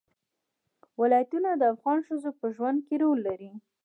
ولایتونه د افغان ښځو په ژوند کې رول لري.